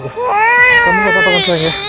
kamu buat apaan sayang ya